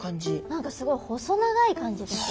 何かすごい細長い感じですよね。